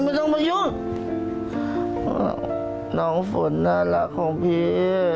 ไม่ต้องมายุ่งเพราะน้องฝนน่ารักของพี่